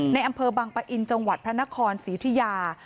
ในอำเภอบังปะอินจังหวัดพระนครศรีอุทิยา